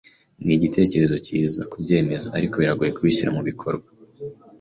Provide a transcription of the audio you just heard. Nigitekerezo cyiza, kubyemeza, ariko biragoye kubishyira mubikorwa.